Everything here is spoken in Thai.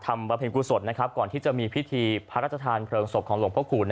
ทำบัเปยนกู้สดก่อนที่จะมีพิธีพระราชทธารณ์เพลิงศพของหลวงภาคูณ